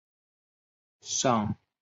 尚不清楚这两个是否为严格子集。